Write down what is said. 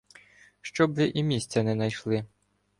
Щоб ви і місця не найшли.